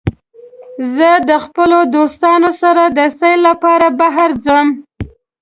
زه د خپلو دوستانو سره د سیل لپاره بهر ځم.